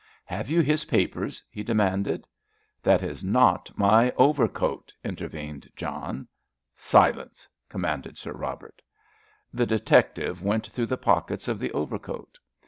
"Have you his papers?" he demanded. "That is not my overcoat," intervened John. "Silence," commanded Sir Robert. The detective went through the pockets of the overcoat.